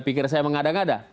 pikir saya mengada ngada